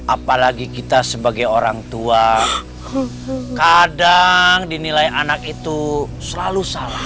apalagi kita sebagai orang tua kadang dinilai anak itu selalu salah